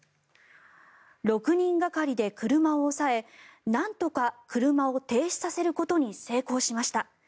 ６人がかりで車を押さえなんとか車を停止させることに成功しました。